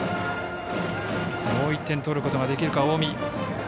もう１点取ることができるか近江。